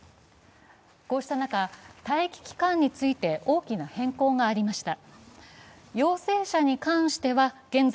こうした中、待機期間について大きな変更がありました。